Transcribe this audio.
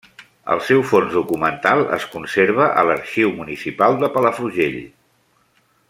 El seu fons documental es conserva a l'Arxiu Municipal de Palafrugell.